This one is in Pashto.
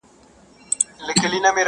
یا به مري یا به یې بل څوک وي وژلی!!